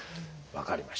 分かりました。